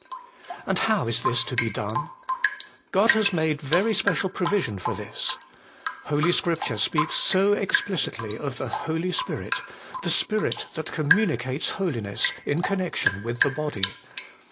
And how is this to be done ? God has made very special provision for this. Holy Scripture speaks so explicitly of the Holy Spirit, the Spirit that communicates holiness, in connection with the body.